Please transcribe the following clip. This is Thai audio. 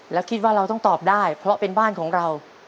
แล้วคิดว่าเราต้องตอบได้เพราะเป็นบ้านของเรา